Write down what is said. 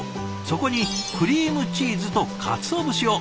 そこにクリームチーズとかつお節を。